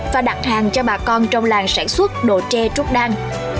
và đặt hàng cho bà con trong làng sản xuất đồ tre trúc đan